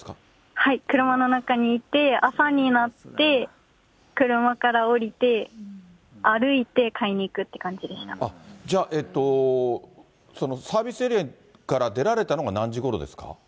はい、車の中にいて、朝になって、車から降りて、じゃあ、サービスエリアから出られたのが何時ごろですか。